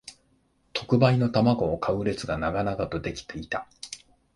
特売の玉子を買う列が長々と出来ていた